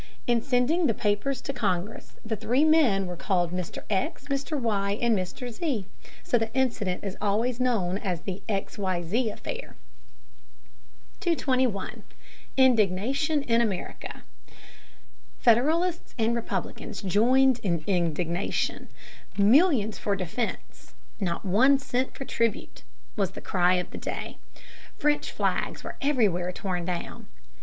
In sending the papers to Congress, the three men were called Mr. X., Mr. Y., and Mr. Z., so the incident is always known as the "X.Y.Z. Affair." [Sidenote: Excitement in America.] 221. Indignation in America. Federalists and Republicans joined in indignation. "Millions for defense, not one cent for tribute," was the cry of the day. French flags were everywhere torn down.